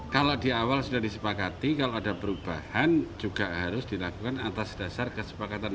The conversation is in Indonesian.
kalau di awal sudah disepakati kalau ada perubahan juga harus dilakukan atas dasar kesepakatan